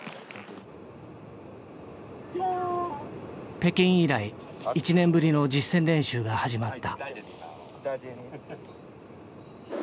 北京以来１年ぶりの実戦練習が始まった。